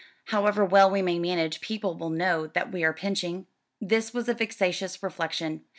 "However well we may manage, people will know that we are pinching." This was a vexatious reflection.